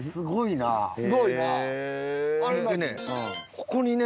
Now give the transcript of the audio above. ここにね。